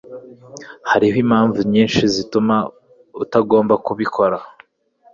Hariho impamvu nyinshi zituma utagomba kubikora